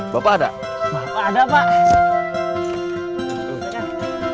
bapak ada bapak ada pak